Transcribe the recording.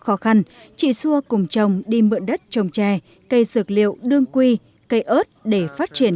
khó khăn chị xua cùng chồng đi mượn đất trồng trè cây dược liệu đương quy cây ớt để phát triển